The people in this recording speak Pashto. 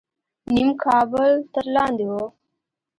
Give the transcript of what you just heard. نیم کابل تر لاندې و.